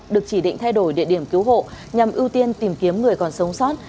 được chỉ định thay đổi địa điểm cứu hộ nhằm ưu tiên tìm kiếm người còn sống sót